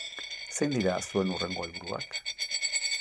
Zein dira zuen hurrengo helburuak?